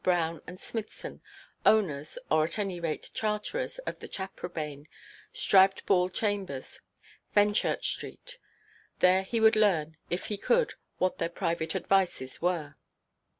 Brown and Smithson, owners, or at any rate charterers, of the Taprobane, Striped–ball Chambers, Fenchurch Street. There he would learn, if he could, what their private advices were.